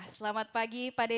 selamat pagi pak deni